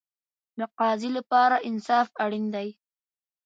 د قاضي لپاره انصاف اړین دی